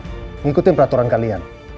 mengikuti peraturan kalian